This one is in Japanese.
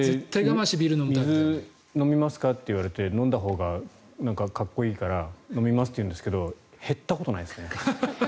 水、飲みますか？って言われて飲んだほうがかっこいいから飲みますって言うんですけど減ったことないですね。